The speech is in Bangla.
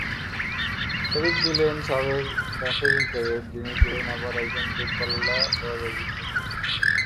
শরিফ ছিলেন সাবেক ডাফেরিন ক্যাডেট, যিনি ছিলেন আবার একজন দূরপাল্লা যোগাযোগ বিশেষজ্ঞ।